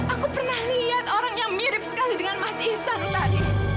aku pernah lihat orang yang mirip sekali dengan mas ihsan tadi